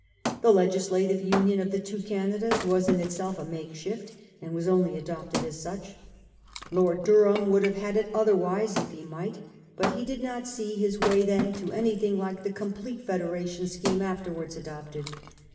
The legislative union of the two Canadas was in itself a makeshift, and was only adopted as such. Lord Durham would have had it otherwise if he might ; but he did not see his 184 % 'A GREAT SPIRIT GONE.' 81 way then to anything like the complete federation scheme afterwards adopted.